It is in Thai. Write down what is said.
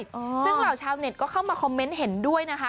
ซึ่งเหล่าชาวเน็ตก็เข้ามาคอมเมนต์เห็นด้วยนะคะ